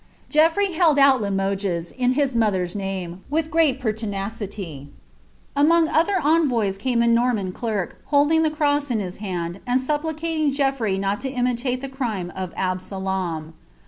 i 'lTrey held out Limoges, in )iis mother^s name, with great pertiiia Anioiig other envoys came a Noriuan clerk, holding tlie cross in • 'laiid, and supplicated Geaffrey not to imitate the crime of Absalom.